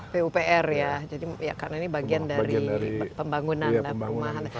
pupr ya karena ini bagian dari pembangunan dan pemahaman